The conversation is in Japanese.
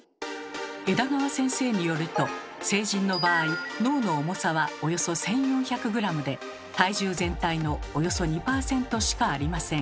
枝川先生によると成人の場合脳の重さはおよそ１，４００ｇで体重全体のおよそ２％しかありません。